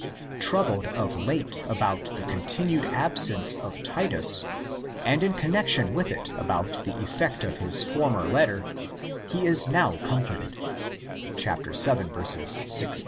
Troubled of late about the continued absence of Titus, and in connexion with it about the effect of his former letter, he is now comforted (vil.